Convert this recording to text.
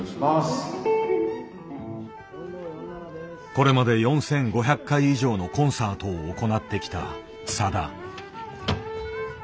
これまで４５００回以上のコンサートを行ってきたさだ。